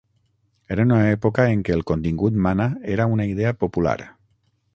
Era una època en què "el contingut mana" era una idea popular.